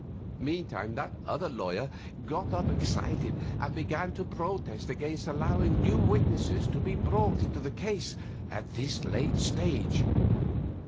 Meantime that other lawyer got up excited and began to protest against allowing new witnesses to be brought into the case at this late stage.